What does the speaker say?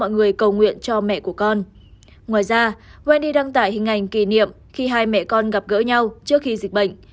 ngoài ra wendy đăng tải hình ảnh kỷ niệm khi hai mẹ con gặp gỡ nhau trước khi dịch bệnh